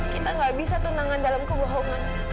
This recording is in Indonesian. kita gak bisa tunangan dalam kebohongan